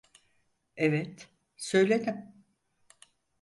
Evet, söyledim.